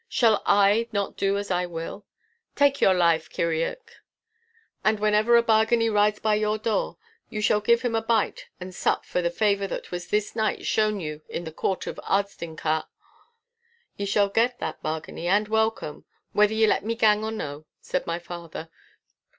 Shall I not do as I will? Take your life, Kirrieoch. And whenever a Bargany rides by your door, ye shall give him bite and sup for the favour that was this night shown you in the courtyard of Ardstinchar.' 'Ye shall get that, Bargany, and welcome, whether ye let me gang or no!' said my father.